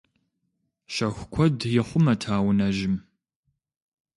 Щэху куэд ихъумэт а унэжьым.